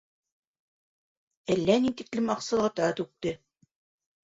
Әллә ни тиклем аҡсалата түкте.